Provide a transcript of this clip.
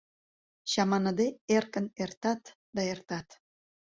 Чаманыде эркын эртат да эртат.